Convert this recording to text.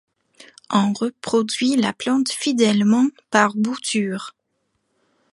On reproduit la plante fidèlement par bouture.